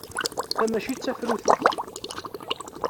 Ta mačči d tafrut-ik.